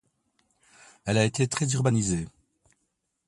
Elle a été très urbanisée.